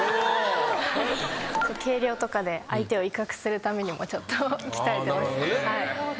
計量とかで相手を威嚇するためにもちょっと鍛えてます。